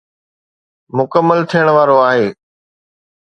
مڪمل ٿيڻ وارو آهي